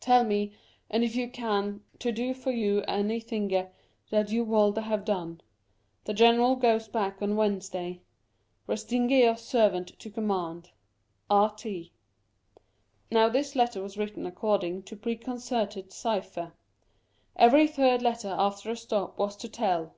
Tell me, an if you can, to do for you any thinge that you wolde have done. The general goes back on Wednesday. Restinge your servant to command. R. T. Now this letter was written according to a pre concerted cypher. Every third letter after a stop was to tell.